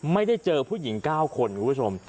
ไม่ได้เจอผู้หญิง๙คนคุณผู้ชม